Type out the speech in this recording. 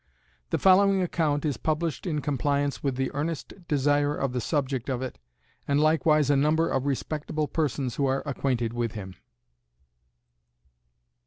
The following account is published in compliance with the earnest desire of the subject of it, and likewise a number of respectable persons who are acquainted with him.